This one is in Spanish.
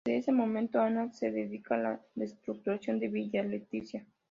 Desde ese momento Anna se dedica a la restructuración de Villa Letitia.